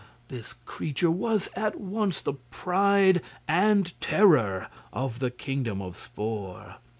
This creature was at once the pride and terror of the Kingdom of Spor.